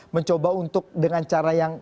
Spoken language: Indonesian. mencoba untuk dengan cara yang